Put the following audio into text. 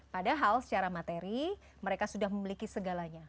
padahal secara materi mereka sudah memiliki segalanya